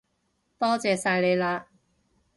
多謝晒你喇